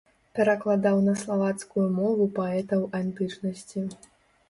Перакладаў на славацкую мову паэтаў антычнасці.